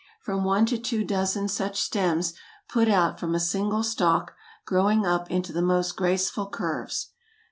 From one to two dozen such stems put out from a single stalk, growing up into the most graceful curves.